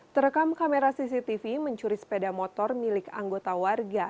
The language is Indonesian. terekam kamera cctv mencuri sepeda motor milik anggota warga